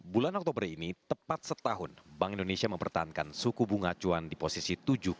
bulan oktober ini tepat setahun bank indonesia mempertahankan suku bunga cuan di posisi tujuh